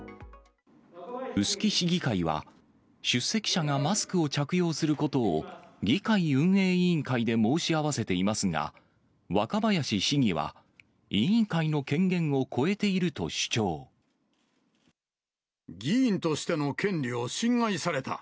臼杵市議会は、出席者がマスクを着用することを議会運営委員会で申し合わせていますが、若林市議は、議員としての権利を侵害された。